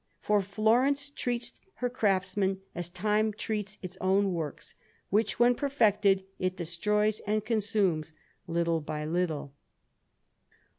For Florence treats her craftsmen as time treats its own works, which when perfected, it destroys and consumes little by little.